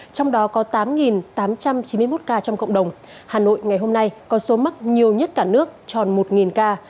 trong đó có tám tám trăm chín mươi một ca trong cộng đồng hà nội ngày hôm nay có số mắc nhiều nhất cả nước tròn một ca